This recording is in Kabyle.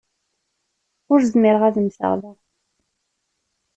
Ur zmireɣ ad mmteɣ da.